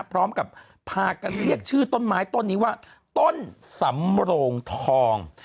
พร้อมกับพากันเรียกชื่อต้นไม้ต้นนี้ว่าต้นสำโรงทอง